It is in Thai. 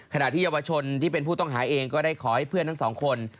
ที่เยาวชนที่เป็นผู้ต้องหาเองก็ได้ขอให้เพื่อนทั้งสองคน